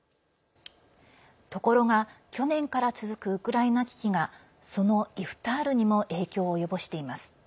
ところが去年から続くウクライナ危機がそのイフタールにも影響を及ぼしています。